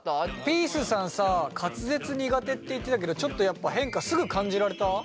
ピースさんさ滑舌苦手って言ってたけどちょっと変化すぐ感じられた？